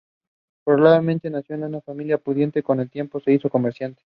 Probablemente nacido de familia pudiente, con el tiempo se hizo comerciante.